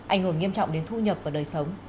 ảnh hưởng nghiêm trọng đến thu nhập và đời sống